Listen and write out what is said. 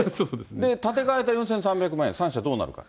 立て替えた４６３０万円、３社どうなるか。